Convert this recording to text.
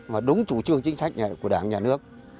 mà đúng chủ trương chính sách của đảng nhà nước